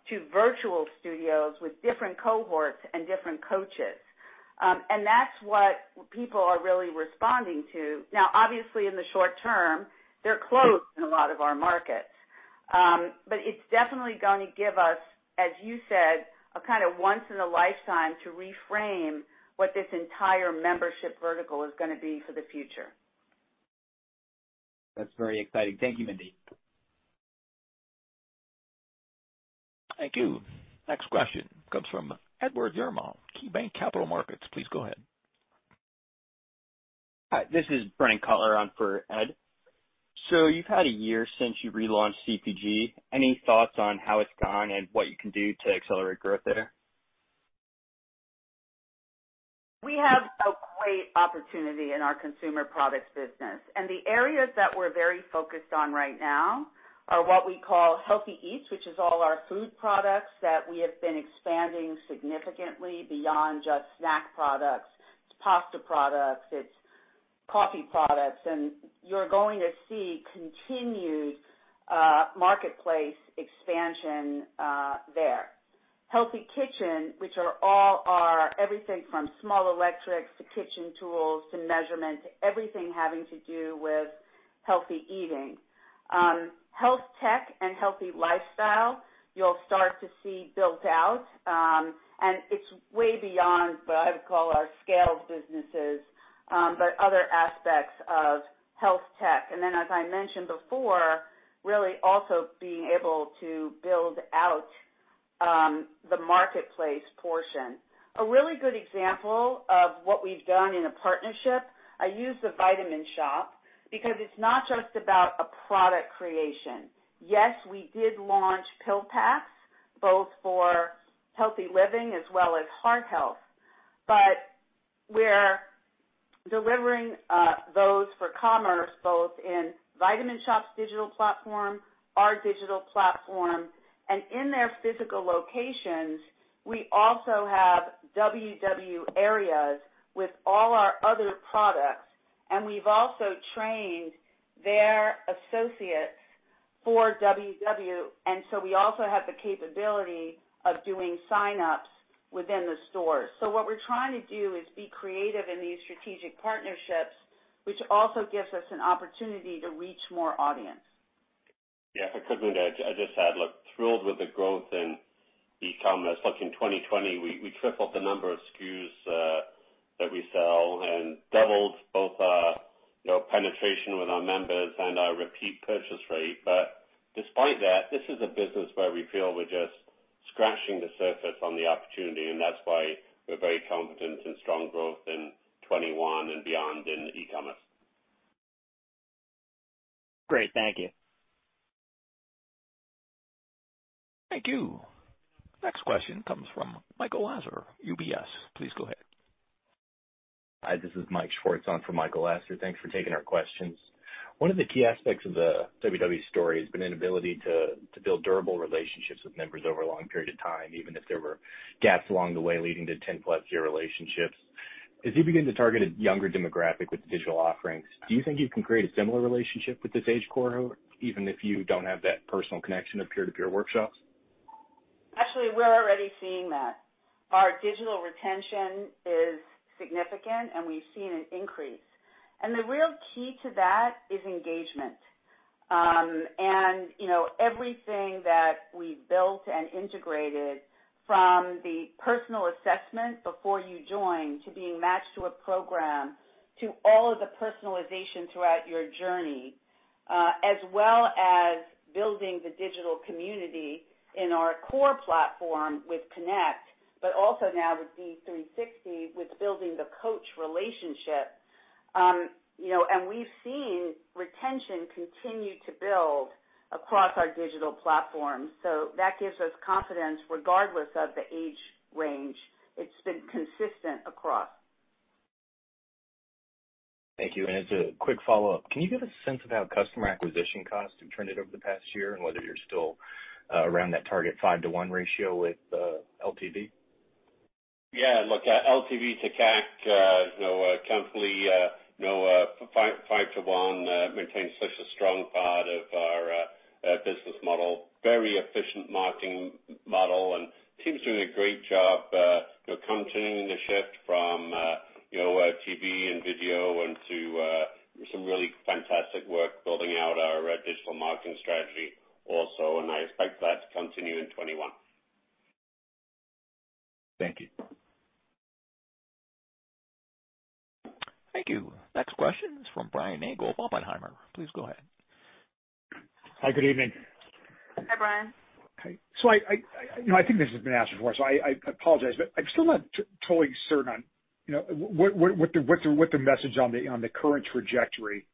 to virtual studios with different cohorts and different coaches. That's what people are really responding to. Obviously in the short term, they're closed in a lot of our markets. It's definitely going to give us, as you said, a kind of once in a lifetime to reframe what this entire membership vertical is going to be for the future. That's very exciting. Thank you, Mindy. Thank you. Next question comes from Edward Yruma, KeyBanc Capital Markets. Please go ahead. Hi, this is Brendan Cutler on for Ed. You've had a year since you relaunched CPG. Any thoughts on how it's gone and what you can do to accelerate growth there? We have a great opportunity in our consumer products business, and the areas that we're very focused on right now are what we call Healthy Eats, which is all our food products that we have been expanding significantly beyond just snack products. It's pasta products, it's coffee products, and you're going to see continued marketplace expansion there. Healthy Kitchen, which are all our everything from small electrics to kitchen tools to measurement, to everything having to do with healthy eating. Health tech and healthy lifestyle, you'll start to see built out, and it's way beyond what I would call our scaled businesses, but other aspects of health tech. Then, as I mentioned before, really also being able to build out the marketplace portion. A really good example of what we've done in a partnership, I use The Vitamin Shoppe, because it's not just about a product creation. Yes, we did launch pill packs, both for healthy living as well as heart health, but we're delivering those for commerce, both in Vitamin Shoppe's digital platform, our digital platform, and in their physical locations, we also have WW areas with all our other products, and we've also trained their associates for WW, and so we also have the capability of doing sign-ups within the stores. What we're trying to do is be creative in these strategic partnerships, which also gives us an opportunity to reach more audience. Yeah. If I could, Mindy, I just add, look, thrilled with the growth in e-commerce. Look, in 2020, we tripled the number of SKUs that we sell and doubled both our penetration with our members and our repeat purchase rate. Despite that, this is a business where we feel we're just scratching the surface on the opportunity, and that's why we're very confident in strong growth in 2021 and beyond in e-commerce. Great. Thank you. Thank you. Next question comes from Michael Lasser, UBS. Please go ahead. Hi, this is Michael Schwartz on for Michael Lasser. Thanks for taking our questions. One of the key aspects of the WW story has been an ability to build durable relationships with members over a long period of time, even if there were gaps along the way leading to 10+ year relationships. As you begin to target a younger demographic with the digital offerings, do you think you can create a similar relationship with this age cohort, even if you don't have that personal connection of peer-to-peer workshops? Actually, we're already seeing that. Our digital retention is significant, and we've seen an increase. The real key to that is engagement. Everything that we've built and integrated from the personal assessment before you join, to being matched to a program, to all of the personalization throughout your journey, as well as building the digital community in our core platform with Connect, but also now with D360, with building the coach relationship. We've seen retention continue to build across our digital platform. That gives us confidence regardless of the age range. It's been consistent across. Thank you. As a quick follow-up, can you give a sense of how customer acquisition costs have trended over the past year and whether you're still around that target five to one ratio with LTV? Yeah. Look, LTV to CAC, comfortably, five to one maintains such a strong part of our business model, very efficient marketing model, team's doing a great job continuing the shift from TV and video into some really fantastic work building out our digital marketing strategy also, I expect that to continue in 2021. Thank you. Thank you. Next question is from Brian Nagel, Oppenheimer. Please go ahead. Hi, good evening. Hi, Brian. Hi. So I think this has been asked before, so I apologize, but I'm still not totally certain on what the message on the current trajectory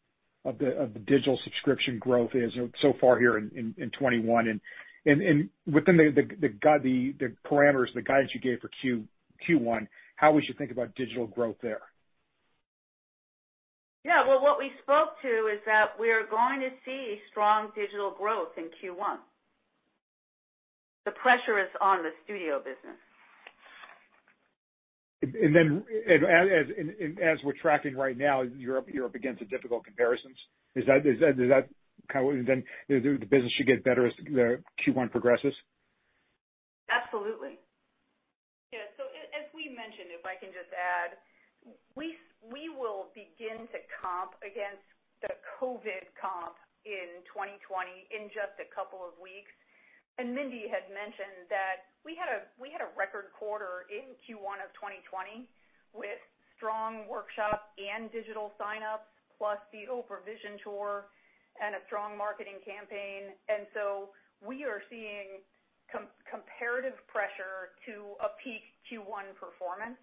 of the digital subscription growth is so far here in 2021 and within the parameters, the guidance you gave for Q1, how we should think about digital growth there? Yeah. Well, what we spoke to is that we are going to see strong digital growth in Q1. The pressure is on the studio business. As we're tracking right now, Europe against the difficult comparisons. Is that kind of what the business should get better as the Q1 progresses? Absolutely. As we mentioned, if I can just add, we will begin to comp against the COVID comp in 2020 in just a couple of weeks. Mindy had mentioned that we had a record quarter in Q1 of 2020 with strong workshop and digital sign-ups, plus the Oprah Vision Tour and a strong marketing campaign. We are seeing comparative pressure to a peak Q1 performance.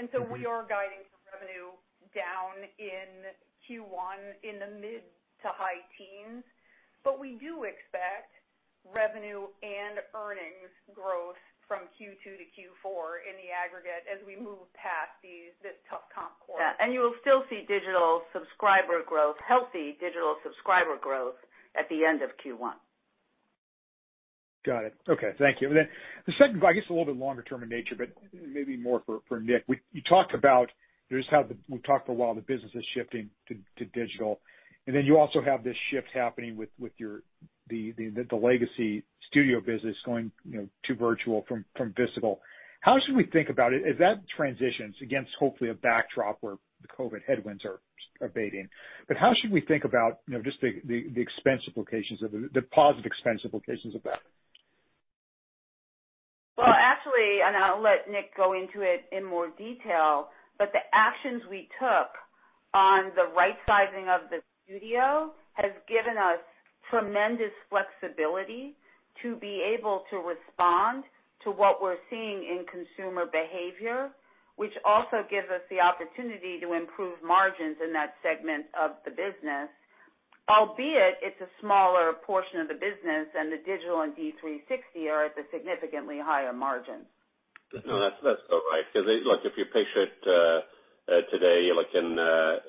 We are guiding for revenue down in Q1 in the mid to high teens. We do expect revenue and earnings growth from Q2 to Q4 in the aggregate as we move past this tough comp quarter. Yeah. You will still see digital subscriber growth, healthy digital subscriber growth at the end of Q1. Got it. Okay. Thank you. The second, I guess, a little bit longer term in nature, but maybe more for Nick. We've talked for a while, the business is shifting to digital, you also have this shift happening with the legacy studio business going to virtual from physical. How should we think about it as that transitions against hopefully a backdrop where the COVID headwinds are abating, how should we think about just the expense implications of the positive expense implications of that? Well, actually, I'll let Nick go into it in more detail. The actions we took on the right-sizing of the studio has given us tremendous flexibility to be able to respond to what we're seeing in consumer behavior, which also gives us the opportunity to improve margins in that segment of the business. Albeit, it's a smaller portion of the business and the digital and D360 are at the significantly higher margins. No, that's still right because if you picture it today, like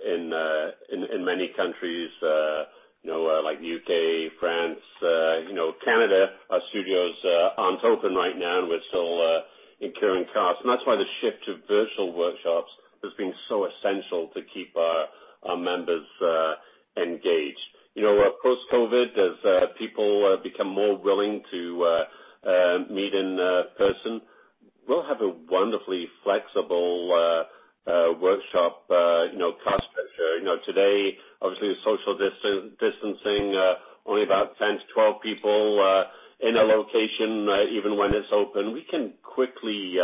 in many countries like U.K., France, Canada, our studios aren't open right now, and we're still incurring costs. That's why the shift to virtual workshops has been so essential to keep our members engaged. Post-COVID, as people become more willing to meet in person, we'll have a wonderfully flexible workshop cost structure. Today, obviously, with social distancing, only about 10 to 12 people are in a location even when it's open. We can quickly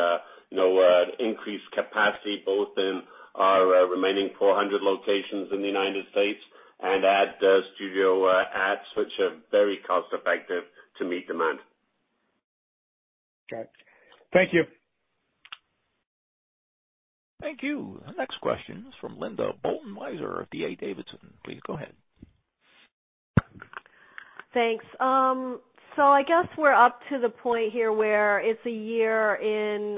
increase capacity both in our remaining 400 locations in the U.S. and add studio adds, which are very cost-effective to meet demand. Got it. Thank you. Thank you. The next question is from Linda Bolton Weiser of D.A. Davidson. Please go ahead. Thanks. I guess we're up to the point here where it's a year in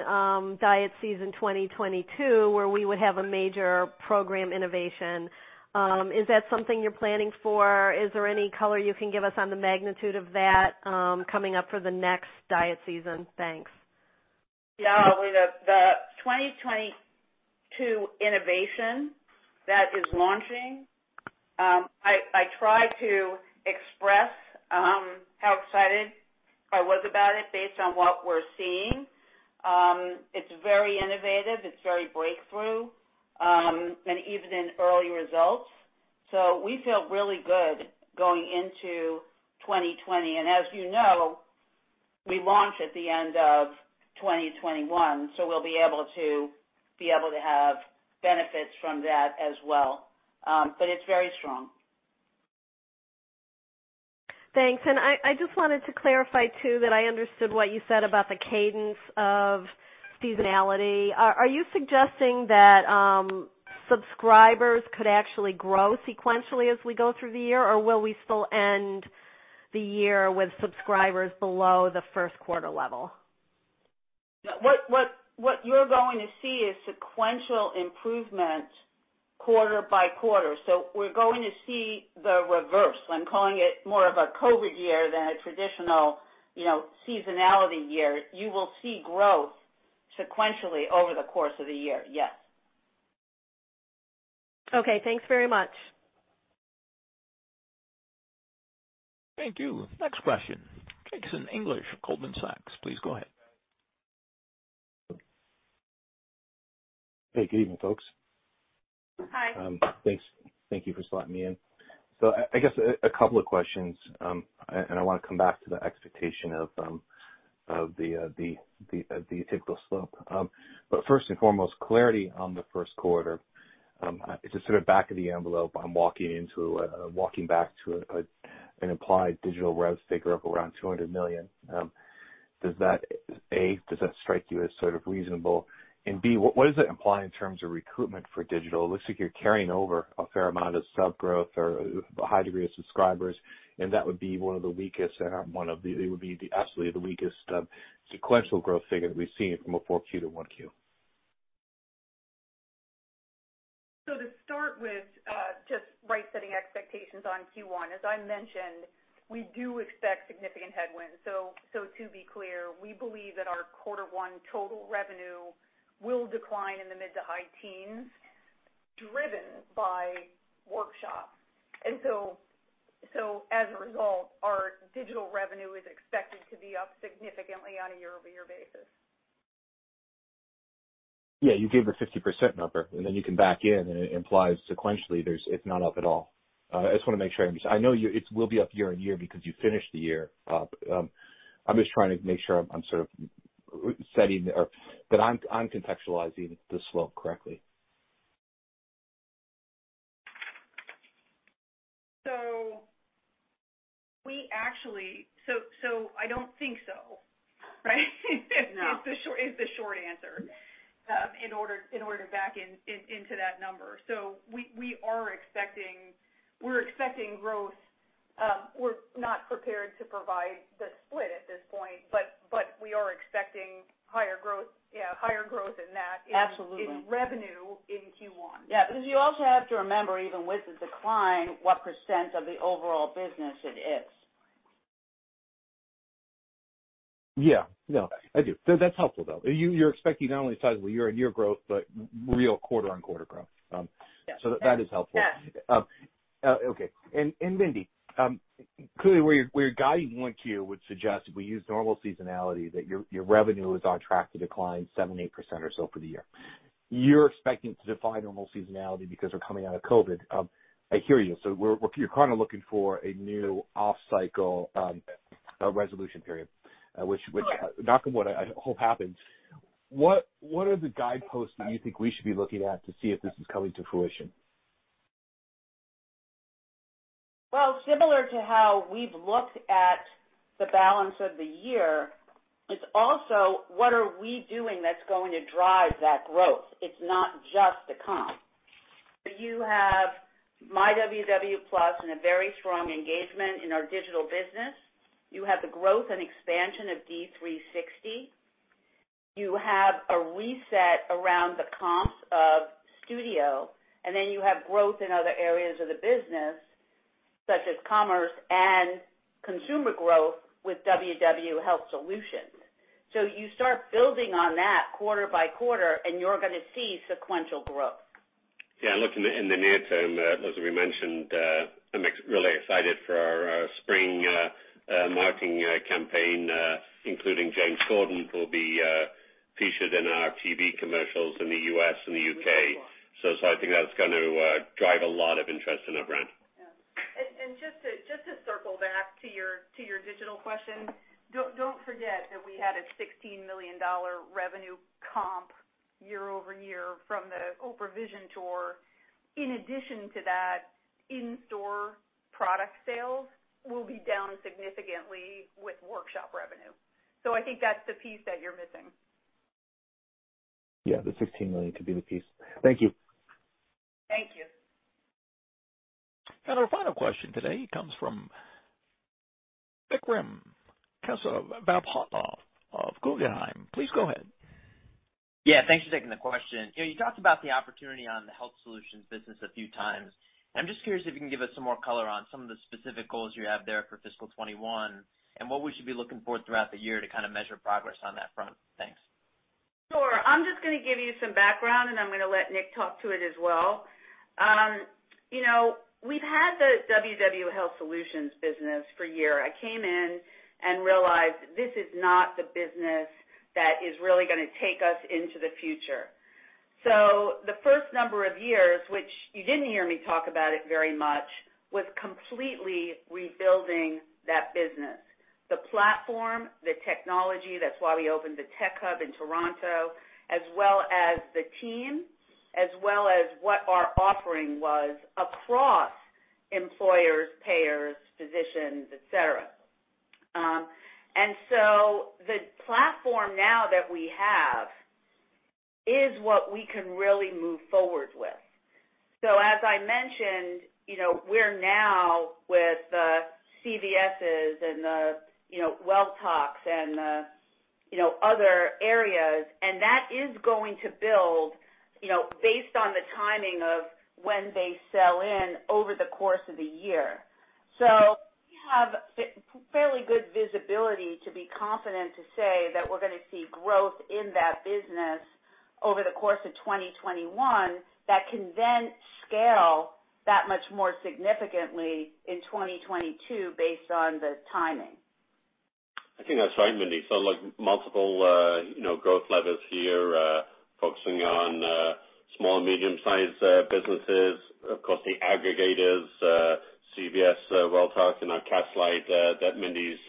diet season 2022, where we would have a major program innovation. Is that something you're planning for? Is there any color you can give us on the magnitude of that coming up for the next diet season? Thanks. Yeah. The 2022 innovation that is launching, I tried to express how excited I was about it based on what we're seeing. It's very innovative, it's very breakthrough, and even in early results. We feel really good going into 2020. As you know, we launch at the end of 2021, so we'll be able to have benefits from that as well, but it's very strong. Thanks. I just wanted to clarify, too, that I understood what you said about the cadence of seasonality. Are you suggesting that subscribers could actually grow sequentially as we go through the year, or will we still end the year with subscribers below the first quarter level? What you're going to see is sequential improvement quarter-by-quarter. We're going to see the reverse. I'm calling it more of a COVID year than a traditional seasonality year. You will see growth sequentially over the course of the year, yes. Okay, thanks very much. Thank you. Next question, Jason English, Goldman Sachs. Please go ahead. Hey, good evening, folks. Hi. Thanks. Thank you for slotting me in. I guess a couple of questions, and I want to come back to the expectation of the typical slope. First and foremost, clarity on the first quarter. Just sort of back of the envelope, I'm walking back to an implied digital revs figure of around $200 million. A, does that strike you as sort of reasonable, and B, what does it imply in terms of recruitment for digital? It looks like you're carrying over a fair amount of sub growth or a high degree of subscribers, and that would be absolutely the weakest sequential growth figure that we've seen from a 4Q to 1Q. To start with, just right setting expectations on Q1, as I mentioned, we do expect significant headwinds. To be clear, we believe that our quarter one total revenue will decline in the mid to high teens, driven by workshops. As a result, our digital revenue is expected to be up significantly on a year-over-year basis. Yeah, you gave the 50% number, and then you can back in, and it implies sequentially, it's not up at all. I just want to make sure I know it will be up year-on-year because you finished the year up. I'm just trying to make sure that I'm contextualizing the slope correctly. I don't think so, right? No. Is the short answer, in order to back into that number. We're expecting growth. We're not prepared to provide the split at this point, but we are expecting higher growth. Absolutely in revenue in Q1. Yeah, you also have to remember, even with the decline, what % of the overall business it is. Yeah. No, I do. That's helpful, though. You're expecting not only sizable year-on-year growth, but real quarter-on-quarter growth. Yes. That is helpful. Yes. Okay. Mindy, clearly, where you're guiding 1Q would suggest, if we use normal seasonality, that your revenue is on track to decline seven, eight % or so for the year. You're expecting to defy normal seasonality because we're coming out of COVID. I hear you. So we're looking for a new off-cycle resolution period, which will knock on wood, I hope happens. What are the guideposts that you think we should be looking at to see if this is coming to fruition? Well, similar to how we've looked at the balance of the year, it's also what are we doing that's going to drive that growth. It's not just the comp. You have myWW+ and a very strong engagement in our digital business. You have the growth and expansion of D360. You have a reset around the comps of Studio, and then you have growth in other areas of the business, such as commerce and consumer growth with WW Health Solutions. You start building on that quarter by quarter, and you're going to see sequential growth. Yeah, look, in the near term, as we mentioned, I'm really excited for our spring marketing campaign, including James Corden, who will be featured in our TV commercials in the U.S. and the U.K. I think that's going to drive a lot of interest in our brand. Yeah. Just to circle back to your digital question, don't forget that we had a $16 million revenue comp year over year from the Oprah Vision Tour. In addition to that, in-store product sales will be down significantly with workshop revenue. I think that's the piece that you're missing. Yeah, the $16 million could be the piece. Thank you. Thank you. Our final question today comes from Vikram Khandelwal of Guggenheim. Please go ahead. Yeah, thanks for taking the question. You talked about the opportunity on the Health Solutions business a few times. I'm just curious if you can give us some more color on some of the specific goals you have there for fiscal 2021, and what we should be looking for throughout the year to kind of measure progress on that front. Thanks. Sure. I'm just going to give you some background, and I'm going to let Nick talk to it as well. We've had the WW Health Solutions business for one year. I came in and realized this is not the business that is really going to take us into the future. The first number of years, which you didn't hear me talk about it very much, was completely rebuilding that business. The platform, the technology, that's why we opened the tech hub in Toronto, as well as the team, as well as what our offering was across employers, payers, physicians, et cetera. The platform now that we have is what we can really move forward with. As I mentioned, we're now with the CVS's and the Welltoks and other areas. That is going to build based on the timing of when they sell in over the course of the year. We have fairly good visibility to be confident to say that we're going to see growth in that business over the course of 2021, that can then scale that much more significantly in 2022 based on the timing. I think that's right, Mindy. Multiple growth levers here, focusing on small and medium-sized businesses. Of course, the aggregators, CVS, Welltok and our Castlight Health that Mindy's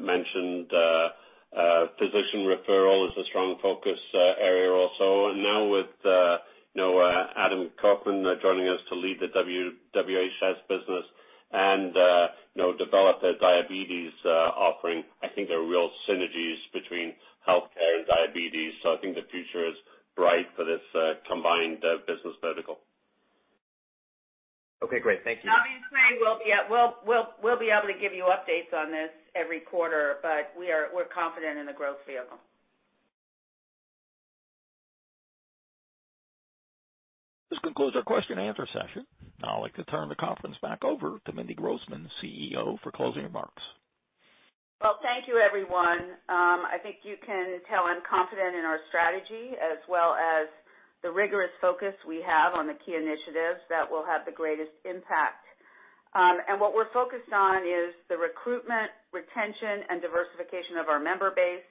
mentioned. Physician referral is a strong focus area also. Now with Adam Kaufman joining us to lead the WHS business and develop the diabetes offering, I think there are real synergies between healthcare and diabetes. I think the future is bright for this combined business vertical. Okay, great. Thank you. We'll be able to give you updates on this every quarter, but we're confident in the growth vehicle. This concludes our question-and-answer session. Now I'd like to turn the conference back over to Mindy Grossman, CEO, for closing remarks. Well, thank you everyone. I think you can tell I'm confident in our strategy as well as the rigorous focus we have on the key initiatives that will have the greatest impact. What we're focused on is the recruitment, retention, and diversification of our member base,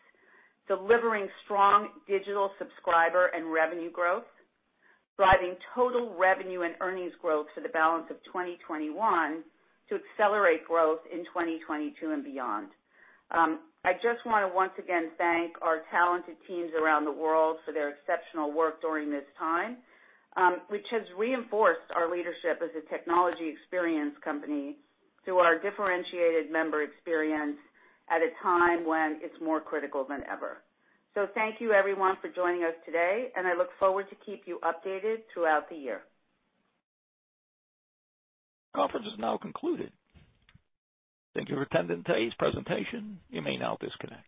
delivering strong digital subscriber and revenue growth, driving total revenue and earnings growth for the balance of 2021 to accelerate growth in 2022 and beyond. I just want to once again thank our talented teams around the world for their exceptional work during this time, which has reinforced our leadership as a technology experience company through our differentiated member experience at a time when it's more critical than ever. Thank you everyone for joining us today, and I look forward to keep you updated throughout the year. Conference is now concluded. Thank you for attending today's presentation. You may now disconnect.